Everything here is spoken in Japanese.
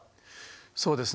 そうですね。